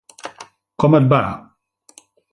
Com et va?